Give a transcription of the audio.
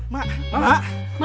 mak bangun mak